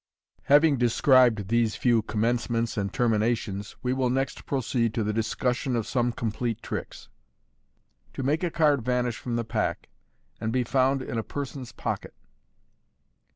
Having described these few commencements and terminations, we will next proceed to the discussion of some complete tricks. To make a Card vanish from the Pack, and be pound in a Person's Pocket.